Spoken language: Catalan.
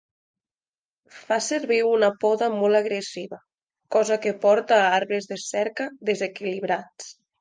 Fa servir una poda molt agressiva, cosa que porta a arbres de cerca desequilibrats.